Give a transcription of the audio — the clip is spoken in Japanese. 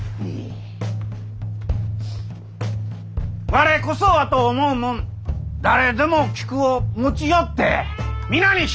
我こそはと思う者誰でも菊を持ち寄って皆に披露するがじゃ！